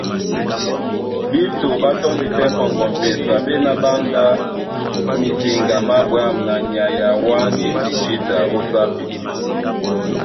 Bíto ɓá tɔ́ndi tɛ́ pɔŋgɔ m̀pesa, ɓá ená ɓá andá misiŋga má ɓwǎm̀ na nyay a wáŋgisi jǐta ó sápi.